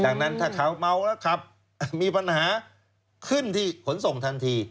ดังนั้นถ้าเขาเมาแล้วขับมีปัญหาขึ้นที่ขนส่งทันที